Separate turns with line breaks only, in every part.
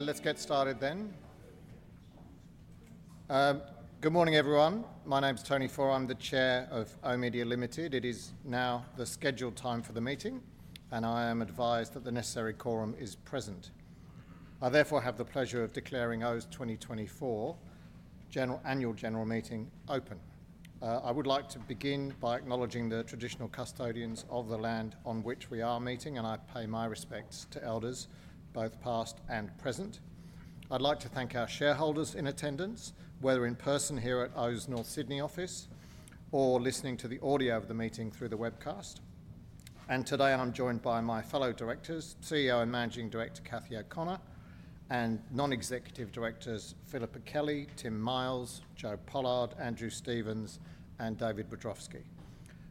...Let's get started then. Good morning, everyone. My name's Tony Faure. I'm the Chair of oOh!media Limited. It is now the scheduled time for the meeting, and I am advised that the necessary quorum is present. I therefore have the pleasure of declaring oOh!media's 2024 annual general meeting open. I would like to begin by acknowledging the traditional custodians of the land on which we are meeting, and I pay my respects to elders, both past and present. I'd like to thank our shareholders in attendance, whether in person here at oOh!media's North Sydney office or listening to the audio of the meeting through the webcast. Today, I'm joined by my fellow directors, CEO and Managing Director Cathy O'Connor, and Non-executive Directors Philippa Kelly, Tim Miles, Jo Pollard, Andrew Stevens, and David Wiadrowski.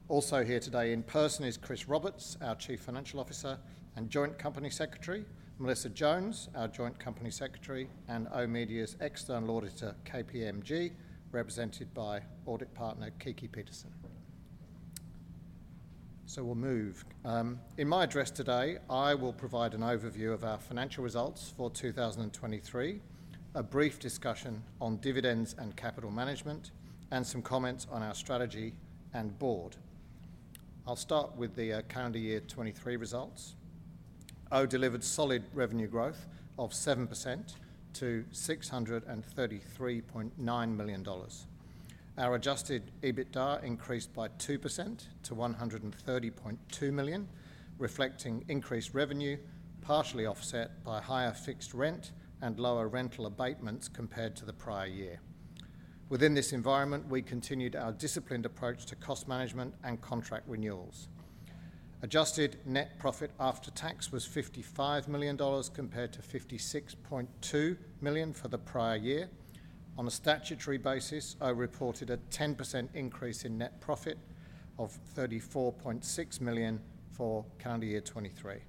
Also here today in person is Chris Roberts, our Chief Financial Officer and Joint Company Secretary, Melissa Jones, our Joint Company Secretary, and oOh!media's external auditor, KPMG, represented by Audit Partner Kiki Peterson. So we'll move. In my address today, I will provide an overview of our financial results for 2023, a brief discussion on dividends and capital management, and some comments on our strategy and board. I'll start with the calendar year 2023 results. oOh!media delivered solid revenue growth of 7% to AUD 633.9 million. Our adjusted EBITDA increased by 2% to 130.2 million, reflecting increased revenue, partially offset by higher fixed rent and lower rental abatements compared to the prior year. Within this environment, we continued our disciplined approach to cost management and contract renewals. Adjusted net profit after tax was 55 million dollars, compared to 56.2 million for the prior year. On a statutory basis, Ooh reported a 10% increase in net profit of 34.6 million for calendar year 2023.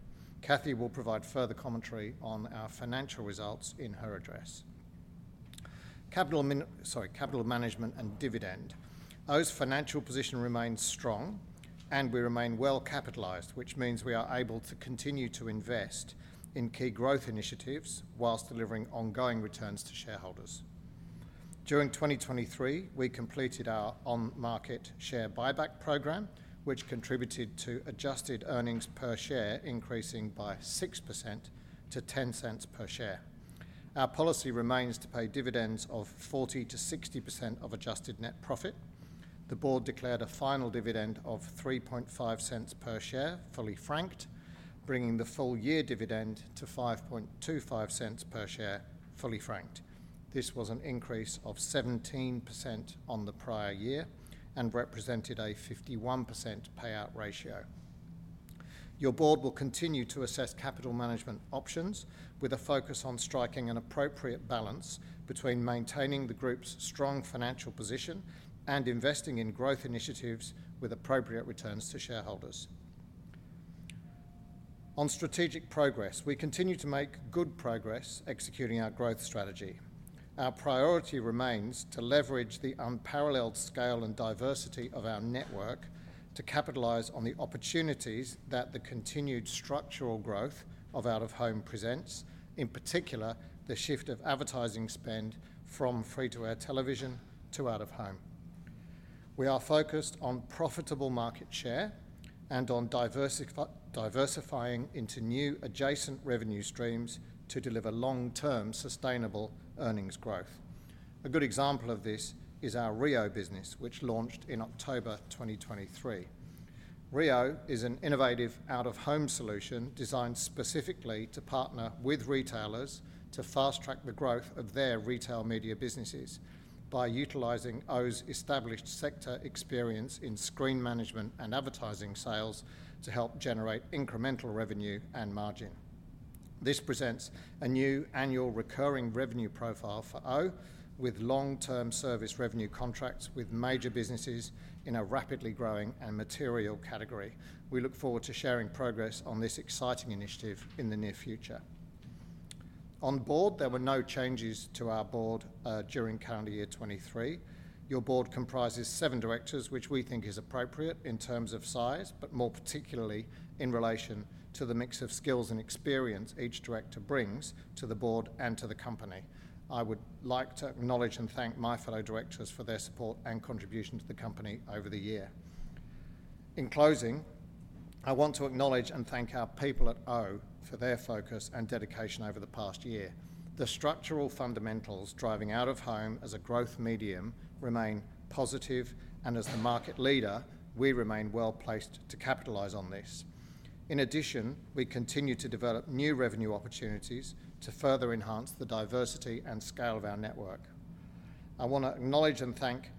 Cathy will provide further commentary on our financial results in her address. Capital management and dividend. Ooh's financial position remains strong, and we remain well-capitalized, which means we are able to continue to invest in key growth initiatives while delivering ongoing returns to shareholders. During 2023, we completed our on-market share buyback program, which contributed to adjusted earnings per share increasing by 6% to 0.10 per share. Our policy remains to pay dividends of 40%-60% of adjusted net profit. The board declared a final dividend of 3.5 cents per share, fully franked, bringing the full year dividend to 5.25 cents per share, fully franked. This was an increase of 17% on the prior year and represented a 51% payout ratio. Your board will continue to assess capital management options with a focus on striking an appropriate balance between maintaining the group's strong financial position and investing in growth initiatives with appropriate returns to shareholders. On strategic progress, we continue to make good progress executing our growth strategy. Our priority remains to leverage the unparalleled scale and diversity of our network to capitalize on the opportunities that the continued structural growth of out-of-home presents, in particular, the shift of advertising spend from free-to-air television to out-of-home. We are focused on profitable market share and on diversifying into new adjacent revenue streams to deliver long-term sustainable earnings growth. A good example of this is our reo business, which launched in October 2023. reo is an innovative out-of-home solution designed specifically to partner with retailers to fast-track the growth of their retail media businesses by utilizing oOh's established sector experience in screen management and advertising sales to help generate incremental revenue and margin. This presents a new annual recurring revenue profile for oOh, with long-term service revenue contracts with major businesses in a rapidly growing and material category. We look forward to sharing progress on this exciting initiative in the near future. On board, there were no changes to our board during calendar year 2023. Your board comprises seven directors, which we think is appropriate in terms of size, but more particularly, in relation to the mix of skills and experience each director brings to the board and to the company. I would like to acknowledge and thank my fellow directors for their support and contribution to the company over the year. In closing, I want to acknowledge and thank our people at oOh for their focus and dedication over the past year. The structural fundamentals driving out-of-home as a growth medium remain positive, and as the market leader, we remain well-placed to capitalize on this. In addition, we continue to develop new revenue opportunities to further enhance the diversity and scale of our network. I wanna acknowledge and thank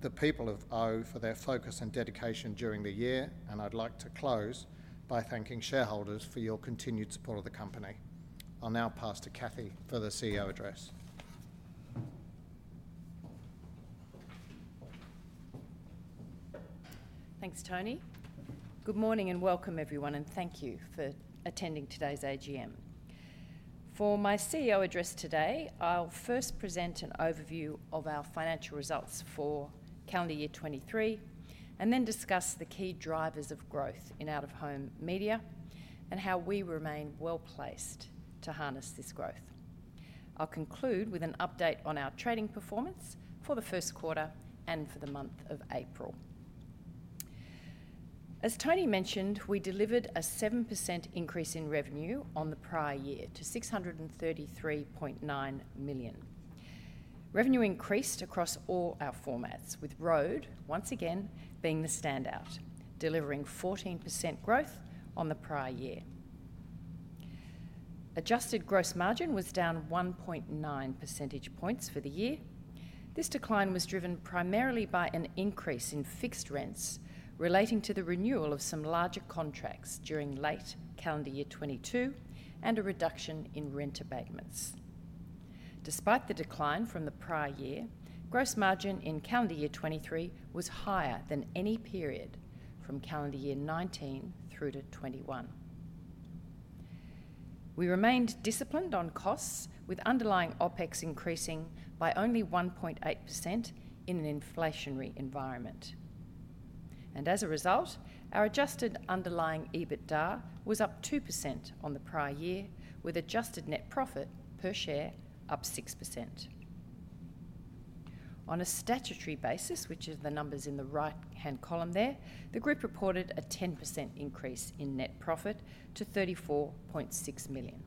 the people of oOh!media for their focus and dedication during the year, and I'd like to close by thanking shareholders for your continued support of the company. I'll now pass to Cathy for the CEO address.
Thanks, Tony. Good morning, and welcome, everyone, and thank you for attending today's AGM. For my CEO address today, I'll first present an overview of our financial results for calendar year 2023, and then discuss the key drivers of growth in out-of-home media and how we remain well-placed to harness this growth.... I'll conclude with an update on our trading performance for the first quarter and for the month of April. As Tony mentioned, we delivered a 7% increase in revenue on the prior year to 633.9 million. Revenue increased across all our formats, with road once again being the standout, delivering 14% growth on the prior year. Adjusted gross margin was down 1.9 percentage points for the year. This decline was driven primarily by an increase in fixed rents relating to the renewal of some larger contracts during late calendar year 2022, and a reduction in rent abatements. Despite the decline from the prior year, gross margin in calendar year 2023 was higher than any period from calendar year 2019 through to 2021. We remained disciplined on costs, with underlying OpEx increasing by only 1.8% in an inflationary environment. And as a result, our adjusted underlying EBITDA was up 2% on the prior year, with adjusted net profit per share up 6%. On a statutory basis, which is the numbers in the right-hand column there, the group reported a 10% increase in net profit to 34.6 million.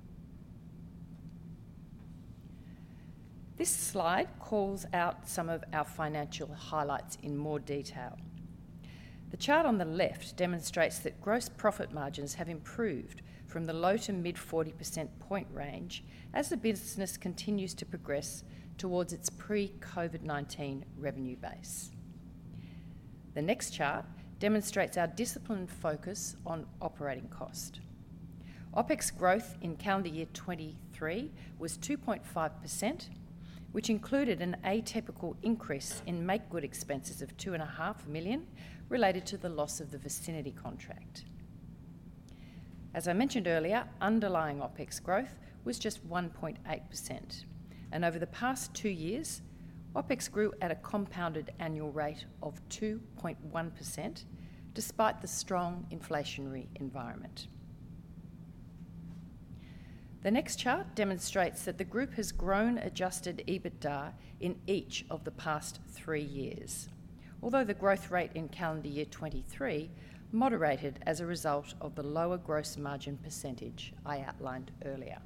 This slide calls out some of our financial highlights in more detail. The chart on the left demonstrates that gross profit margins have improved from the low- to mid-40% range as the business continues to progress towards its pre-COVID-19 revenue base. The next chart demonstrates our disciplined focus on operating cost. OpEx growth in calendar year 2023 was 2.5%, which included an atypical increase in makegood expenses of 2.5 million related to the loss of the Vicinity contract. As I mentioned earlier, underlying OpEx growth was just 1.8%, and over the past two years, OpEx grew at a compounded annual rate of 2.1%, despite the strong inflationary environment. The next chart demonstrates that the group has grown adjusted EBITDA in each of the past three years, although the growth rate in calendar year 2023 moderated as a result of the lower gross margin percentage I outlined earlier.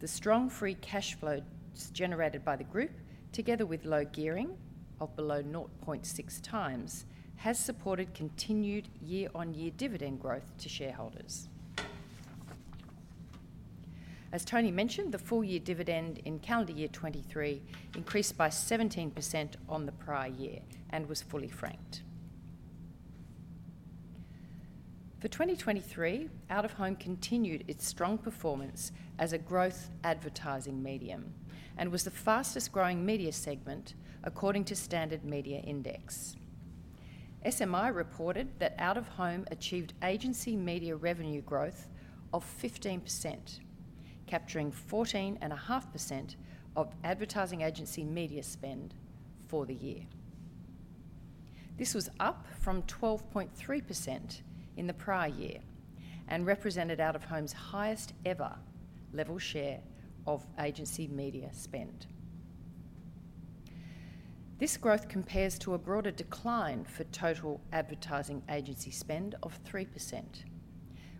The strong free cash flow generated by the group, together with low gearing of below 0.6 times, has supported continued year-on-year dividend growth to shareholders. As Tony mentioned, the full-year dividend in calendar year 2023 increased by 17% on the prior year and was fully franked. For 2023, out-of-home continued its strong performance as a growth advertising medium and was the fastest-growing media segment according to Standard Media Index. SMI reported that out-of-home achieved agency media revenue growth of 15%, capturing 14.5% of advertising agency media spend for the year. This was up from 12.3% in the prior year and represented out-of-home's highest-ever level share of agency media spend. This growth compares to a broader decline for total advertising agency spend of 3%,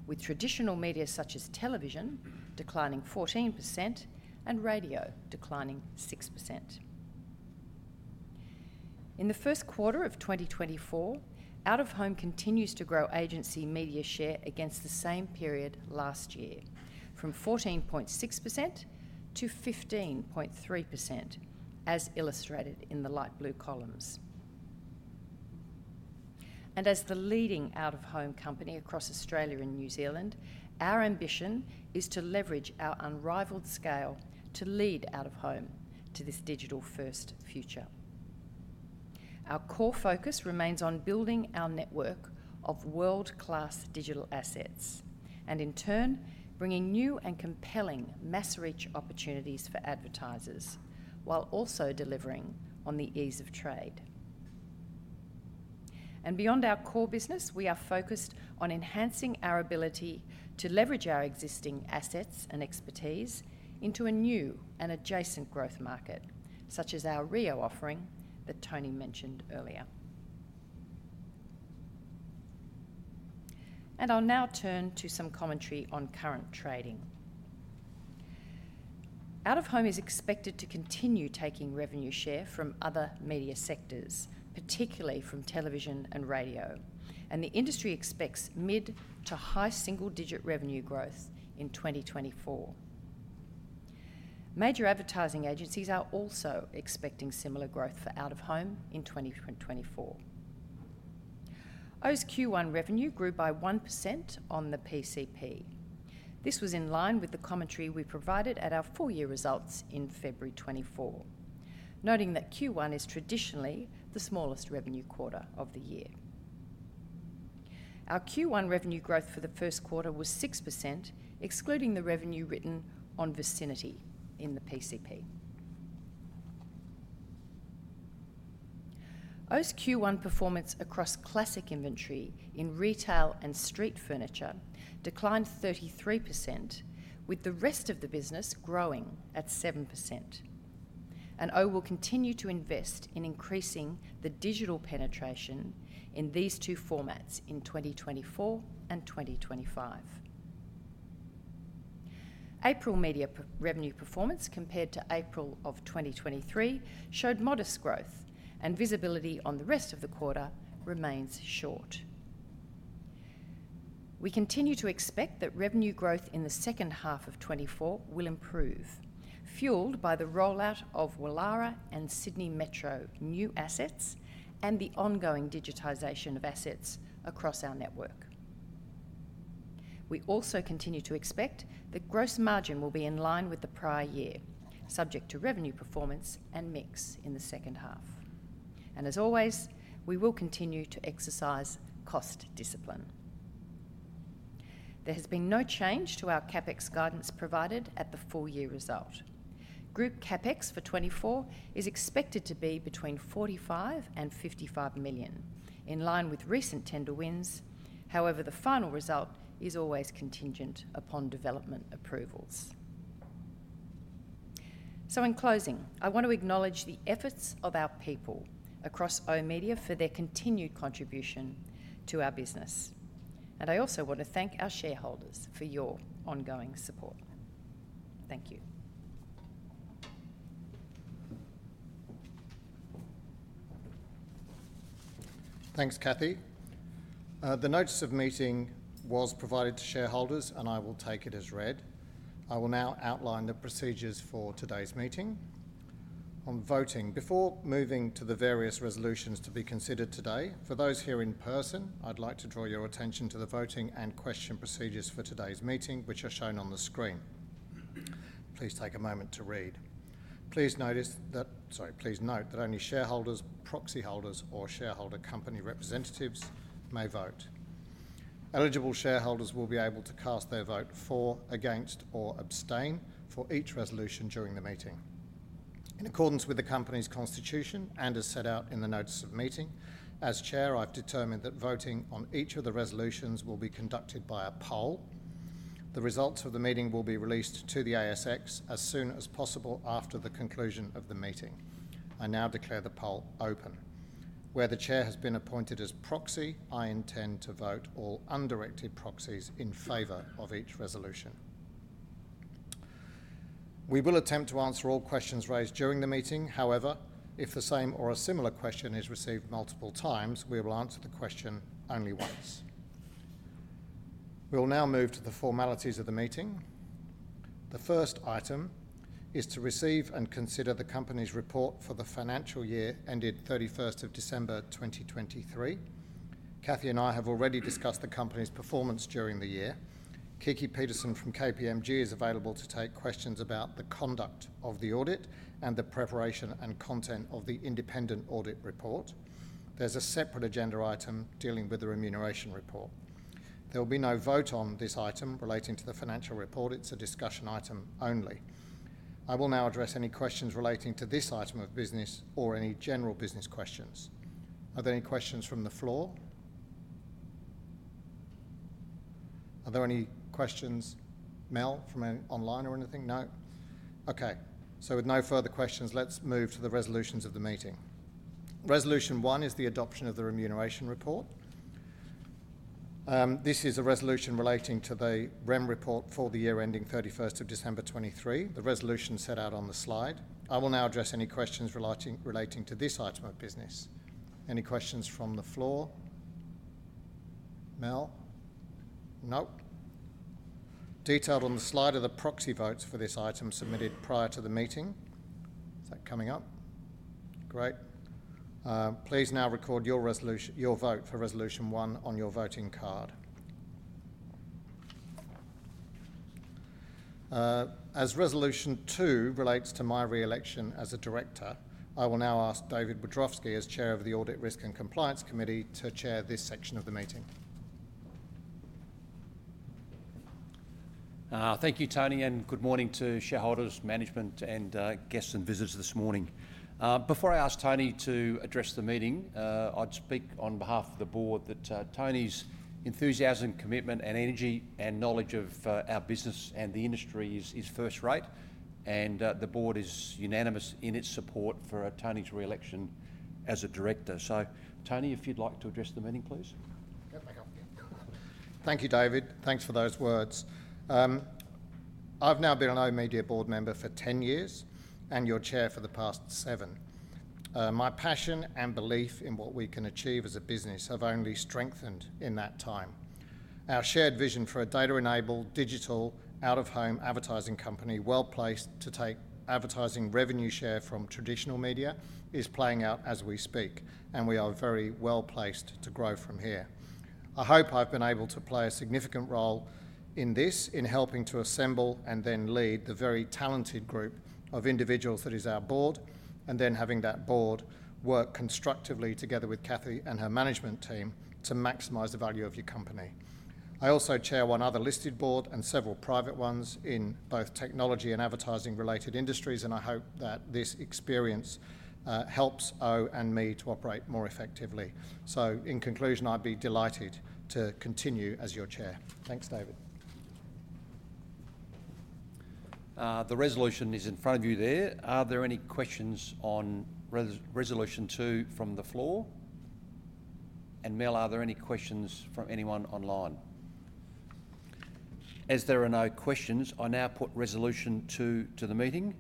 with traditional media such as television declining 14% and radio declining 6%. In the first quarter of 2024, out-of-home continues to grow agency media share against the same period last year, from 14.6% to 15.3%, as illustrated in the light blue columns. As the leading out-of-home company across Australia and New Zealand, our ambition is to leverage our unrivaled scale to lead out-of-home to this digital-first future. Our core focus remains on building our network of world-class digital assets, and in turn, bringing new and compelling mass-reach opportunities for advertisers while also delivering on the ease of trade. Beyond our core business, we are focused on enhancing our ability to leverage our existing assets and expertise into a new and adjacent growth market, such as our RIO offering that Tony mentioned earlier. I'll now turn to some commentary on current trading. Out-of-home is expected to continue taking revenue share from other media sectors, particularly from television and radio, and the industry expects mid- to high single-digit revenue growth in 2024. Major advertising agencies are also expecting similar growth for out-of-home in 2024. OOH's Q1 revenue grew by 1% on the PCP. This was in line with the commentary we provided at our full-year results in February 2024, noting that Q1 is traditionally the smallest revenue quarter of the year. Our Q1 revenue growth for the first quarter was 6%, excluding the revenue written on Vicinity in the PCP... OOH's Q1 performance across classic inventory in retail and street furniture declined 33%, with the rest of the business growing at 7%. And OOH will continue to invest in increasing the digital penetration in these two formats in 2024 and 2025. April media revenue performance compared to April of 2023 showed modest growth, and visibility on the rest of the quarter remains short. We continue to expect that revenue growth in the second half of 2024 will improve, fueled by the rollout of Woolworths and Sydney Metro new assets and the ongoing digitization of assets across our network. We also continue to expect that gross margin will be in line with the prior year, subject to revenue performance and mix in the second half. As always, we will continue to exercise cost discipline. There has been no change to our CapEx guidance provided at the full-year result. Group CapEx for 2024 is expected to be between 45 million-55 million, in line with recent tender wins. However, the final result is always contingent upon development approvals. In closing, I want to acknowledge the efforts of our people across oOh!media for their continued contribution to our business, and I also want to thank our shareholders for your ongoing support. Thank you.
Thanks, Cathy. The notice of meeting was provided to shareholders, and I will take it as read. I will now outline the procedures for today's meeting. On voting, before moving to the various resolutions to be considered today, for those here in person, I'd like to draw your attention to the voting and question procedures for today's meeting, which are shown on the screen. Please take a moment to read. Sorry, please note that only shareholders, proxy holders, or shareholder company representatives may vote. Eligible shareholders will be able to cast their vote for, against, or abstain for each resolution during the meeting. In accordance with the company's constitution and as set out in the notice of meeting, as chair, I've determined that voting on each of the resolutions will be conducted by a poll. The results of the meeting will be released to the ASX as soon as possible after the conclusion of the meeting. I now declare the poll open. Where the chair has been appointed as proxy, I intend to vote all undirected proxies in favor of each resolution. We will attempt to answer all questions raised during the meeting. However, if the same or a similar question is received multiple times, we will answer the question only once. We'll now move to the formalities of the meeting. The first item is to receive and consider the company's report for the financial year ended December 31, 2023. Cathy and I have already discussed the company's performance during the year. Kiki Peterson from KPMG is available to take questions about the conduct of the audit and the preparation and content of the independent audit report. There's a separate agenda item dealing with the remuneration report. There will be no vote on this item relating to the financial report. It's a discussion item only. I will now address any questions relating to this item of business or any general business questions. Are there any questions from the floor? Are there any questions, Mel, from any online or anything? No. Okay, so with no further questions, let's move to the resolutions of the meeting. Resolution 1 is the adoption of the remuneration report. This is a resolution relating to the Rem report for the year ending 31st of December, 2023, the resolution set out on the slide. I will now address any questions relating to this item of business. Any questions from the floor? Mel? Nope. Detailed on the slide are the proxy votes for this item submitted prior to the meeting. Is that coming up? Great. Please now record your vote for resolution one on your voting card. As resolution two relates to my re-election as a director, I will now ask David Wiadrowski as Chair of the Audit, Risk, and Compliance Committee, to chair this section of the meeting.
Thank you, Tony, and good morning to shareholders, management, and guests and visitors this morning. Before I ask Tony to address the meeting, I'd speak on behalf of the board that Tony's enthusiasm, commitment, and energy and knowledge of our business and the industry is first rate, and the board is unanimous in its support for Tony's re-election as a director. So Tony, if you'd like to address the meeting, please.
Get back up here. Thank you, David. Thanks for those words. I've now been an oOh!media board member for 10 years, and your chair for the past 7. My passion and belief in what we can achieve as a business have only strengthened in that time. Our shared vision for a data-enabled, digital, out-of-home advertising company, well-placed to take advertising revenue share from traditional media, is playing out as we speak, and we are very well-placed to grow from here. I hope I've been able to play a significant role in this, in helping to assemble and then lead the very talented group of individuals that is our board, and then having that board work constructively together with Cathy and her management team to maximize the value of your company.... I also chair one other listed board and several private ones in both technology and advertising-related industries, and I hope that this experience helps oOh! and me to operate more effectively. So in conclusion, I'd be delighted to continue as your chair. Thanks, David.
The resolution is in front of you there. Are there any questions on resolution two from the floor? And Mel, are there any questions from anyone online? As there are no questions, I now put resolution two to the meeting.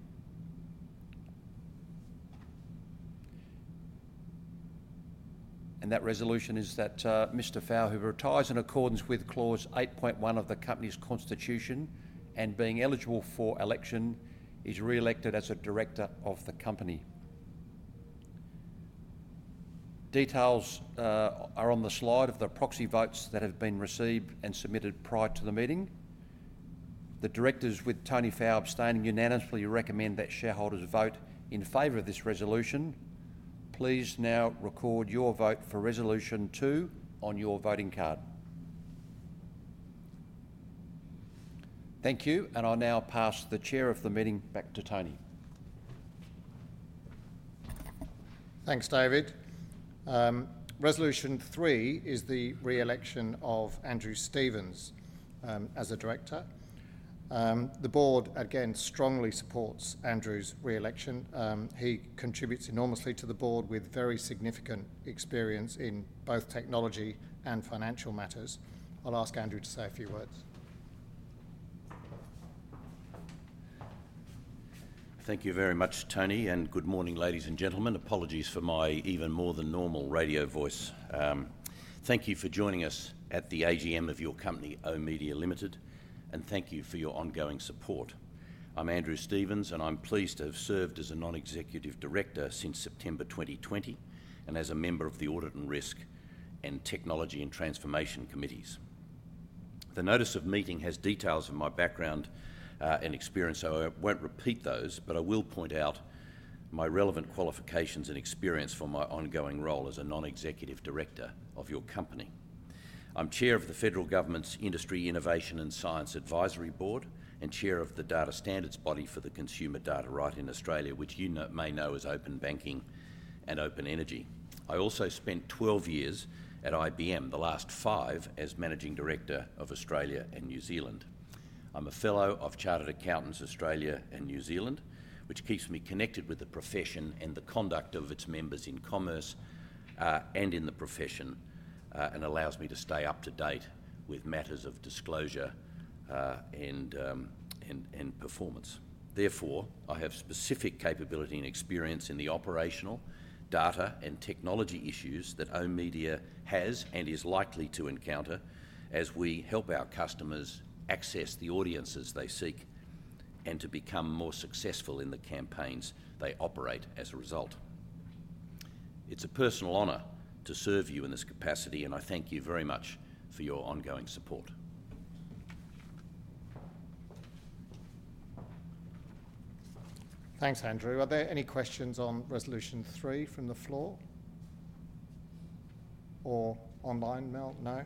And that resolution is that, Mr. Faure, who retires in accordance with Clause 8.1 of the company's constitution, and being eligible for election, is re-elected as a director of the company. Details are on the slide of the proxy votes that have been received and submitted prior to the meeting. The directors, with Tony Faure abstaining, unanimously recommend that shareholders vote in favor of this resolution. Please now record your vote for Resolution two on your voting card. Thank you, and I'll now pass the chair of the meeting back to Tony.
Thanks, David. Resolution three is the re-election of Andrew Stevens, as a director. The board again strongly supports Andrew's re-election. He contributes enormously to the board with very significant experience in both technology and financial matters. I'll ask Andrew to say a few words.
Thank you very much, Tony, and good morning, ladies and gentlemen. Apologies for my even more than normal radio voice. Thank you for joining us at the AGM of your company, oOh!media Limited, and thank you for your ongoing support. I'm Andrew Stevens, and I'm pleased to have served as a non-executive director since September 2020, and as a member of the Audit and Risk and Technology and Transformation Committees. The notice of meeting has details of my background, and experience, so I won't repeat those, but I will point out my relevant qualifications and experience for my ongoing role as a non-executive director of your company. I'm Chair of the Federal Government's Industry Innovation and Science Advisory Board, and Chair of the Data Standards Body for the Consumer Data Right in Australia, which you know, may know as Open Banking and Open Energy. I also spent 12 years at IBM, the last five as Managing Director of Australia and New Zealand. I'm a Fellow of Chartered Accountants Australia and New Zealand, which keeps me connected with the profession and the conduct of its members in commerce, and in the profession, and allows me to stay up to date with matters of disclosure, and performance. Therefore, I have specific capability and experience in the operational, data, and technology issues that oOh!media has and is likely to encounter as we help our customers access the audiences they seek, and to become more successful in the campaigns they operate as a result. It's a personal honor to serve you in this capacity, and I thank you very much for your ongoing support.
Thanks, Andrew. Are there any questions on resolution three from the floor or online, Mel? No.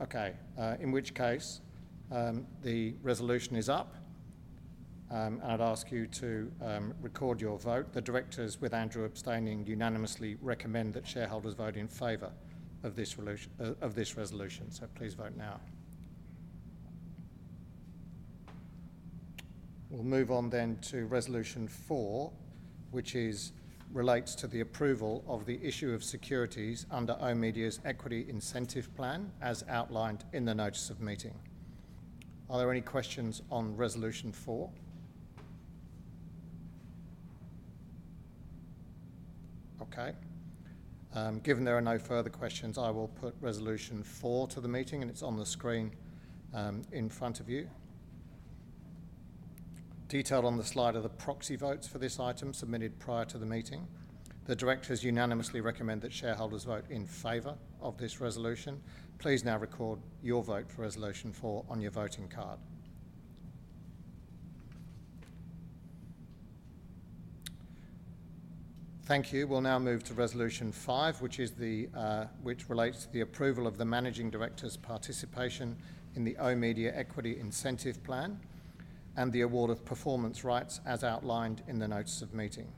Okay, in which case, the resolution is up, and I'd ask you to record your vote. The directors, with Andrew abstaining, unanimously recommend that shareholders vote in favor of this resolu-- of, of this resolution, so please vote now. We'll move on then to resolution four, which is, relates to the approval of the issue of securities under oOh!media's Equity Incentive Plan, as outlined in the notice of meeting. Are there any questions on resolution four? Okay, given there are no further questions, I will put resolution four to the meeting, and it's on the screen, in front of you. Detailed on the slide are the proxy votes for this item submitted prior to the meeting. The directors unanimously recommend that shareholders vote in favor of this resolution. Please now record your vote for resolution four on your voting card. Thank you. We'll now move to resolution five, which relates to the approval of the managing director's participation in the oOh!media Equity Incentive Plan and the award of performance rights, as outlined in the notice of meeting.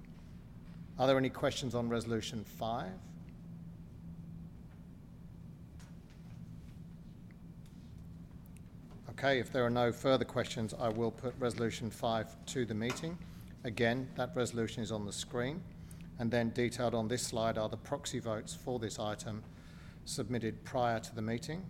Are there any questions on resolution five? Okay, if there are no further questions, I will put resolution five to the meeting. Again, that resolution is on the screen, and then detailed on this slide are the proxy votes for this item submitted prior to the meeting.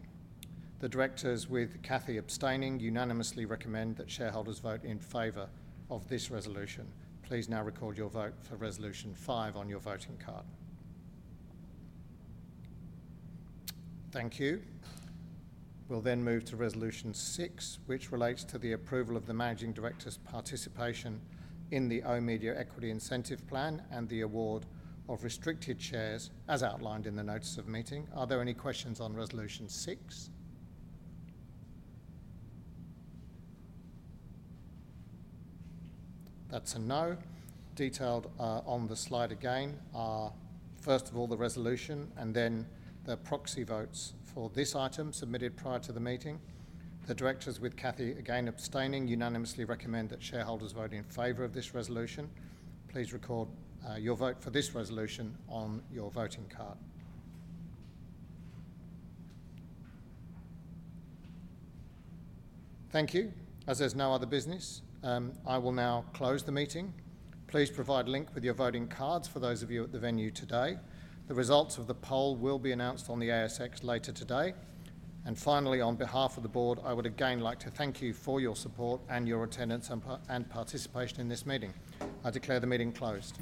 The directors, with Cathy abstaining, unanimously recommend that shareholders vote in favor of this resolution. Please now record your vote for resolution five on your voting card. Thank you. We'll then move to resolution six, which relates to the approval of the managing director's participation in the oOh!media Equity Incentive Plan and the award of restricted shares, as outlined in the notice of meeting. Are there any questions on resolution six? That's a no. Detailed on the slide again are, first of all, the resolution, and then the proxy votes for this item submitted prior to the meeting. The directors, with Cathy again abstaining, unanimously recommend that shareholders vote in favor of this resolution. Please record your vote for this resolution on your voting card. Thank you. As there's no other business, I will now close the meeting. Please provide Link with your voting cards for those of you at the venue today. The results of the poll will be announced on the ASX later today. And finally, on behalf of the board, I would again like to thank you for your support and your attendance and participation in this meeting. I declare the meeting closed.